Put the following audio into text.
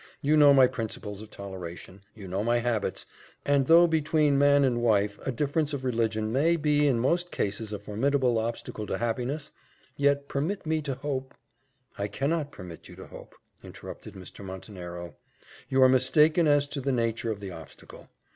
You know my principles of toleration you know my habits; and though between man and wife a difference of religion may be in most cases a formidable obstacle to happiness, yet permit me to hope " "I cannot permit you to hope," interrupted Mr. Montenero. "You are mistaken as to the nature of the obstacle.